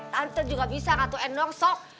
tante juga bisa ratu endor sok